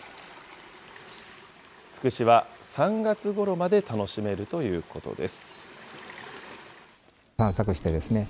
ツクシは３月ごろまで楽しめるということです。